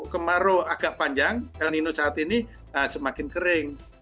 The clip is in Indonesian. kemarau agak panjang el nino saat ini semakin kering